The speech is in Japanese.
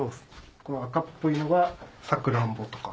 この赤っぽいのがサクランボとか。